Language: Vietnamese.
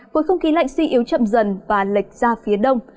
khối không khí lạnh suy yếu chậm dần và lệch ra phía đông